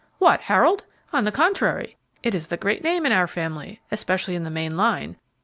"What, Harold? On the contrary, it is the great name in our family, especially in the main line.